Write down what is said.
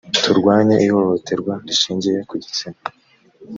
turwanye ihohoterwa rishingiye ku gitsina.